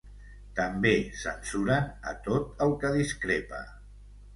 També censuren a tot el què discrepa.